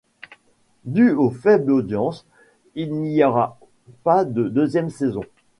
Dû aux faibles audiences, il n'y aura pas de deuxième saison.